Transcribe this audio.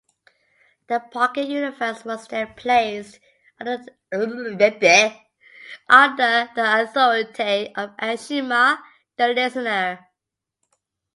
The pocket universe was then placed under the authority of Ashema the Listener.